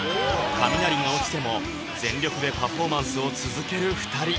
雷が落ちても全力でパフォーマンスを続ける２人